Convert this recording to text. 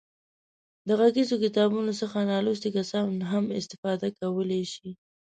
د غږیزو کتابونو څخه نالوستي کسان هم استفاده کولای شي.